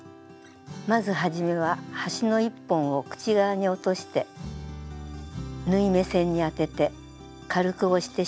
まず初めは端の１本を口側に落として縫い目線に当てて軽く押して印をつけます。